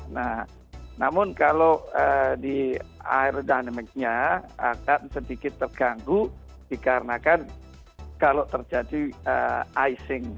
nah namun kalau di aerodhinamic nya akan sedikit terganggu dikarenakan kalau terjadi icing